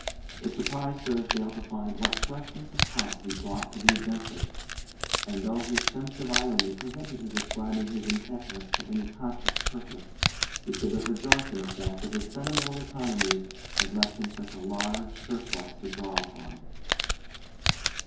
It surprised Thursdale to find what freshness of heart he brought to the adventure; and though his sense of irony prevented his ascribing his intactness to any conscious purpose, he could but rejoice in the fact that his sentimental economies had left him such a large surplus to draw upon.